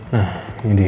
nah ini dia